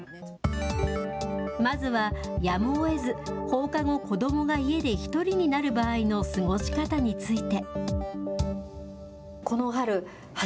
まずは、やむをえず、放課後、子どもが家で１人になる場合の過ごし方について。